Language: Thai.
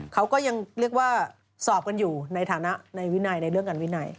เขาก็ยังเรียกว่าสอบกันอยู่ในฐานะในวินัยในเรื่องการวินัย